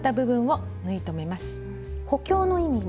はい。